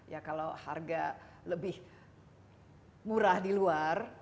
ya kalau harga lebih murah di luar